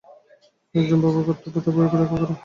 একজন বাবার কর্তব্য তার পরিবারকে রক্ষা করা।